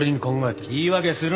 言い訳するな。